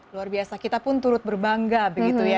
luar biasa kita pun turut berbangga begitu ya